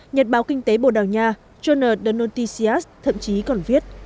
nhật báo kinh tế bồ đào nha john donatisias thậm chí còn viết